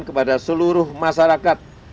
kepada seluruh masyarakat